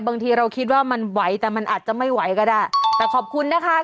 บางทีเราคิดว่ามันไหวแต่มันอาจจะไม่ไหวก็ได้แต่ขอบคุณนะคะ